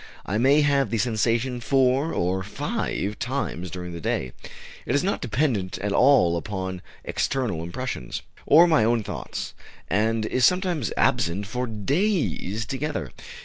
I may have the sensation four or five times during the day; it is not dependent at all upon external impressions, or my own thoughts, and is sometimes absent for days together.